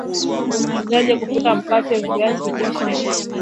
Unawezaje kupika mkate viazi lishe